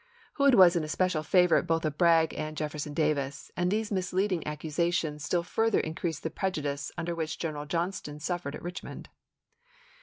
Hood was an especial favorite both of R^r§£t'" Bragg and Jefferson Davis, and these misleading accusations still further increased the prejudice under which General Johnston suffered at Rich mond.